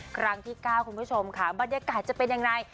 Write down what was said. ครั้งที่๙คุณผู้ชมค่ะบรรยากาศจะเป็นยังไง